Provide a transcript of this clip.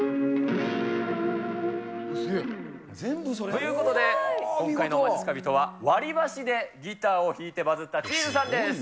ということで、今回のまじっすか人は、割り箸でギターを弾いてバズったチーズさんです。